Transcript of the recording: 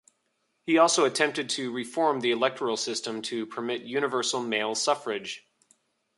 He also attempted to reform the electoral system to permit universal male suffrage.